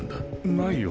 ないよ